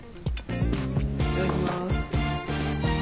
いただきます。